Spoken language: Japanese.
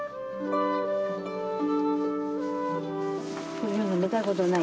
こういうの見たことない？